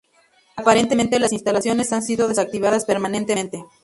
Aparentemente las instalaciones han sido desactivadas permanentemente.